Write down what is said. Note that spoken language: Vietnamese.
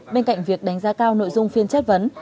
bên cạnh việc đánh giá cao nội dung phiên chất vấn